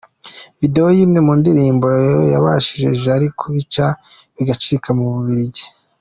Video y’imwe mu ndirimbo zabashishije Jali kubica bigacika mu Bubiligi .